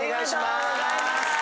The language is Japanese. ありがとうございます。